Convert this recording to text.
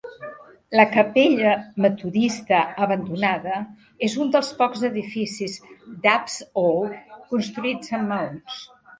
La capella metodista abandonada és un dels pocs edificis d'Upsall construïts amb maons.